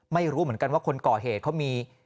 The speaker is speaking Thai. ไม่รู้เหมือนกันว่าคนก่อเหตุเขามี